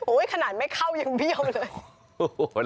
ขนาดไม่เข้ายังเบี้ยวเลย